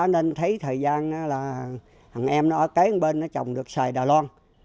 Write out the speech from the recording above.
nên thấy thời gian là thằng em nó ở kế bên nó trồng được xoài đài loan